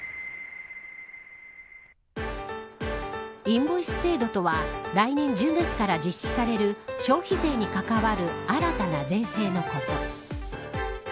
インボイス制度とは来年１０月から実施される消費税に関わる新たな税制のこと。